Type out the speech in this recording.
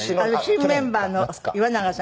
新メンバーの岩永さん。